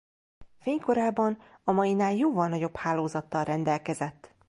Fénykorában a mainál jóval nagyobb hálózattal rendelkezett.